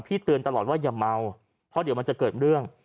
เตือนตลอดว่าอย่าเมาเพราะเดี๋ยวมันจะเกิดเรื่อง